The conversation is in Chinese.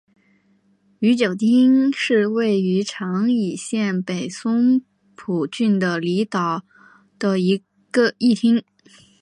宇久町是位于长崎县北松浦郡的离岛的一町。